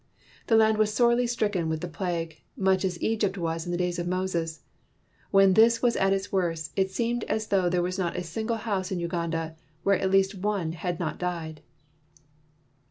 The land was sorely stricken with the plague, much as Egypt was in the days of Moses. When this was at its worst, it seemed as though there was not a single house in Uganda where at least one had not died.